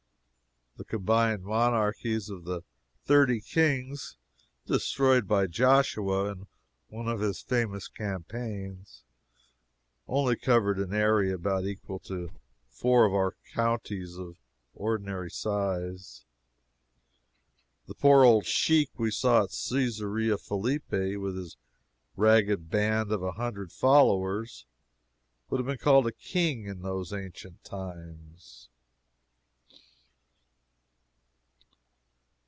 The combined monarchies of the thirty "kings" destroyed by Joshua on one of his famous campaigns, only covered an area about equal to four of our counties of ordinary size. The poor old sheik we saw at Cesarea Philippi with his ragged band of a hundred followers, would have been called a "king" in those ancient times.